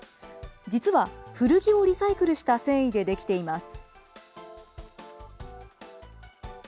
実は古着をリサイクルした繊維で出来ています。